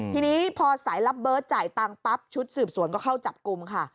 ทีนี้พอสายลับเบิร์ตจ่ายตังค์ปั๊บชุดสืบสวนก็เข้าจับกลุ่มค่ะ